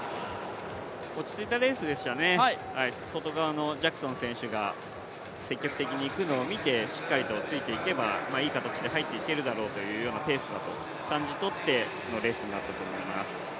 落ち着いたレースでしたね、外側のジャクソン選手が積極的にいくのを見てしっかりとついて行けばいい形で入っていけるペースだと感じ取ったレースだと思います。